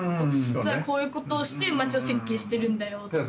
実はこういうことをして街を設計してるんだよとか。